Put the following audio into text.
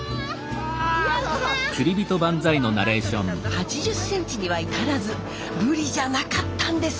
８０センチには至らずブリじゃなかったんです。